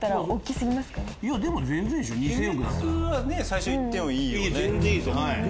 最初行ってもいい。